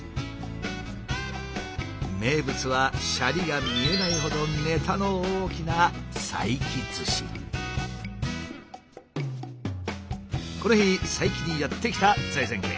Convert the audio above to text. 名物はシャリが見えないほどネタの大きなこの日佐伯にやって来た財前家。